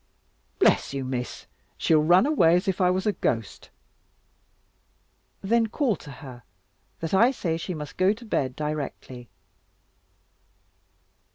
"Bless you, Miss; she'll run away as if I was a ghost." "Then call to her, that I say she must go to bed directly."